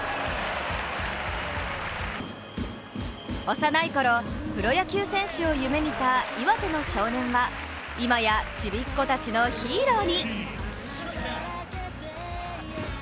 幼いころ、プロ野球選手を夢見た岩手の少年は今や、ちびっこたちのヒーローに。